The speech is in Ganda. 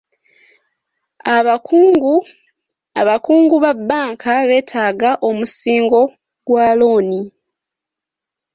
Abakungu ba bbanka betaaga omusingo ogwa looni.